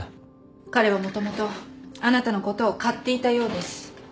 彼はもともとあなたのことを買っていたようです。